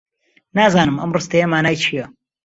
نازانم ئەم ڕستەیە مانای چییە.